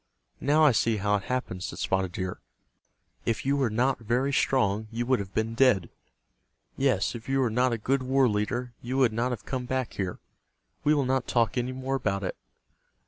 "Now I see how it happened," said Spotted Deer. "If you were not very strong you would have been dead. Yes, if you were not a good war leader you would not have come back here. We will not talk any more about it."